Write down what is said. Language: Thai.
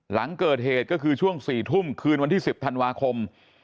หลังเกิดเหตุก็คือช่วง๔ทุ่มคืนวันที่๑๐ธันวาคม